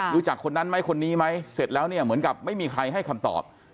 รู้จักคนนั้นไหมคนนี้ไหมเสร็จแล้วเนี่ยเหมือนกับไม่มีใครให้คำตอบ